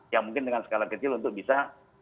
yang mungkin dengan skala kecil untuk bisa